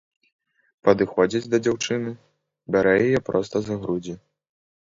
Падыходзіць да дзяўчыны, бярэ яе проста за грудзі.